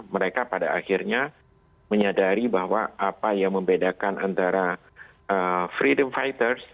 mereka pada akhirnya menyadari bahwa apa yang membedakan antara freedom fighters